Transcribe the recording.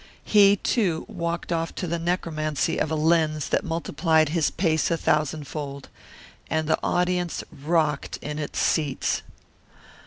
He, too, walked off to the necromancy of a lens that multiplied his pace a thousandfold. And the audience rocked in its seats.